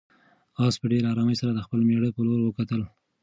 آس په ډېرې آرامۍ سره د خپل مېړه په لور وکتل.